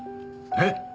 えっ？